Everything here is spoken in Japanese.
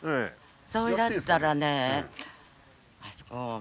それだったらね